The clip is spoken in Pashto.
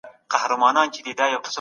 په علمي مرکزونو کې تجربې ترسره کېږي.